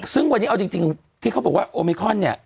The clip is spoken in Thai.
ซึ่งที่เขาบอกว่าโอมีคอน